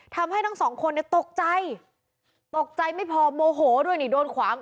ทั้งสองคนเนี่ยตกใจตกใจไม่พอโมโหด้วยนี่โดนขวาง